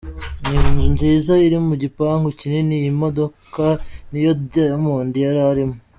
Ni inzu nziza iri mu gipangu kinini, iyi modoka niyo Diamond yari arimo.